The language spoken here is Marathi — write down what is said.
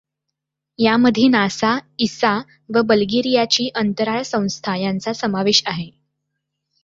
यामध्ये नासा, इसा व बल्गेरियाची अंतराळ संस्था यांचा समावेश आहे.